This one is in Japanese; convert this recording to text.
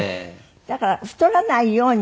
だから太らないようにして。